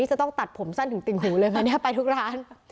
จะต้องตัดผมสั้นถึงติ่งหูเลยคะเนี่ยไปทุกร้าน